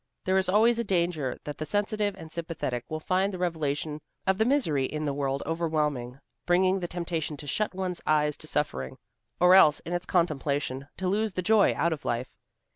There is always a danger that the sensitive and sympathetic will find the revelation of the misery in the world overwhelming, bringing the temptation to shut one's eyes to suffering, or else in its contemplation, to lose the joy out of life.